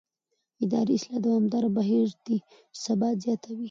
اداري اصلاح دوامداره بهیر دی چې ثبات زیاتوي